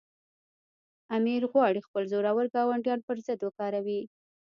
امیر غواړي خپل زورور ګاونډیان پر ضد وکاروي.